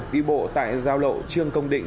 đi bộ tại giao lộ trường công định